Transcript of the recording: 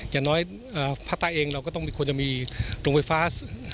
อย่างน้อยภาคใต้เองเราก็ต้องควรจะมีโรงไฟฟ้า